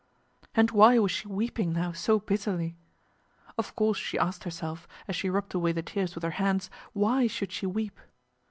And why was she weeping now so bitterly? Of course she asked herself, as she rubbed away the tears with her hands, Why should she weep?